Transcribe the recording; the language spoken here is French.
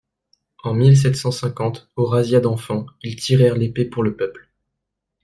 En mille sept cent cinquante, aux razzias d'enfants, ils tirèrent l'épée pour le peuple.